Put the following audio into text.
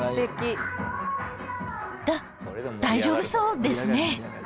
だ大丈夫そうですね。